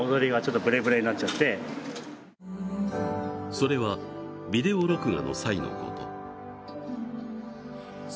それはビデオ録画の際のこと。